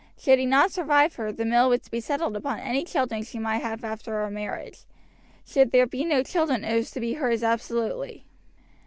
Should he not survive her the mill was to be settled upon any children she might have after her marriage; should there be no children it was to be hers absolutely.